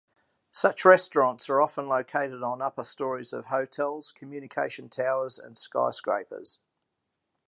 Such restaurants are often located on upper stories of hotels, communication towers, and skyscrapers.